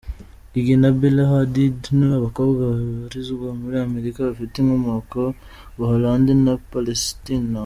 Gigi na Bella Hadid ni abakobwa babarizwa muri Amerika bafite inkomoko Buholande na Palesitina.